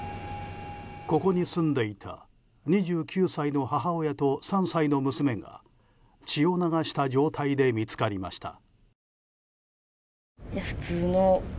ここに住んでいた２９歳の母親と３歳の娘が血を流した状態で見つかりました。